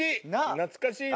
懐かしいわ。